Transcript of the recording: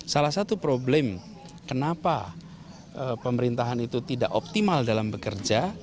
salah satu problem kenapa pemerintahan itu tidak optimal dalam bekerja